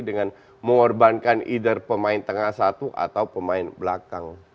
dengan mengorbankan either pemain tengah satu atau pemain belakang